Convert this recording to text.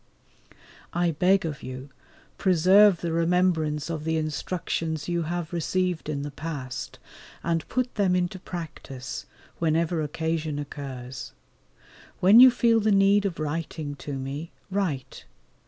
I beg of you preserve the remembrance of the instructions you have received in the past, and put them into practice, whenever occasion offers. When you feel the need of writing to me, write.